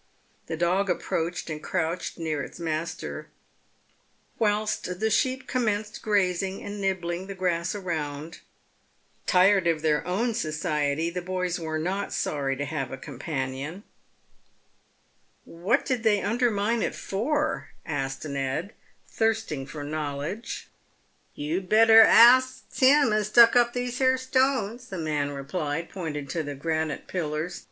The dog approached and crouched near its master, whilst the sheep commenced grazing and nibbling the grass around. Tired of their own society, the boys were not sorry to have a com panion. "What did they undermind it for?" asked Ned, thirsting for knowledge. PAVED WITH GOLD. 291 "You'd better ax him as stuck up these here stones," the man replied, pointing to the granite pillars.